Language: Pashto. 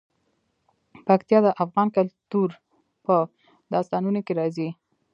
پکتیا د افغان کلتور په داستانونو کې راځي.